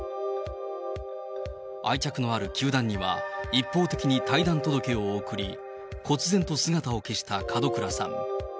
愛着のある球団には一方的に退団届を送り、こつぜんと姿を消した門倉さん。